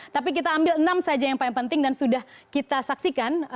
tapi kita ambil enam saja yang paling penting dan sudah kita saksikan